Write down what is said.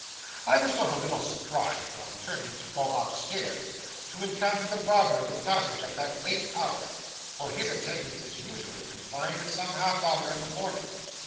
I was not a little surprised, on turning to go up stairs, to encounter the barber in the passage at that late hour; for his attendance is usually confined to some half hour in the morning.